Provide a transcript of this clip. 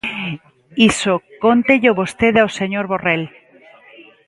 Iso cóntello vostede ao señor Borrell.